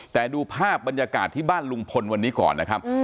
แต่ดูภาพบรรยากาศที่บ้านลุงพลวันนี้ก่อนนะครับ